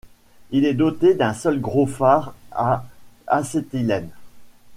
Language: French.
Il est doté d’un seul gros phare à acétylène.